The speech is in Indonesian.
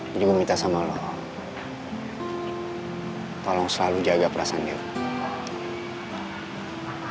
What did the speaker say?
jadi gue minta sama lo tolong selalu jaga perasaan dewi